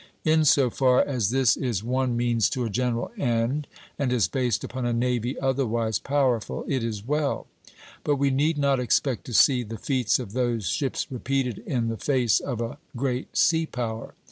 In so far as this is one means to a general end, and is based upon a navy otherwise powerful, it is well; but we need not expect to see the feats of those ships repeated in the face of a great sea power.